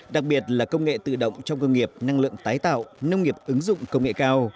đặc biệt là công nghệ tự động trong công nghiệp năng lượng tái tạo nông nghiệp ứng dụng công nghệ cao